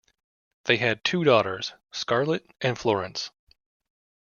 They had two daughters-Scarlet and Florence.